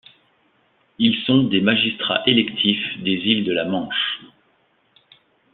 Ils sont des magistrats électifs des îles de la Manche.